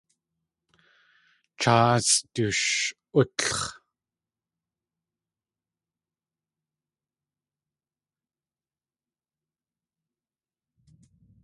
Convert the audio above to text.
Cháasʼ dush.útlx̲.